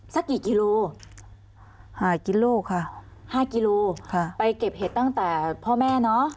สักกี่กิโลห้ากิโลค่ะห้ากิโลค่ะไปเก็บเห็ดตั้งแต่พ่อแม่เนอะ